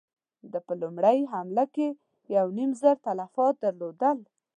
ده په لومړۍ حمله کې يو نيم زر تلفات درلودل.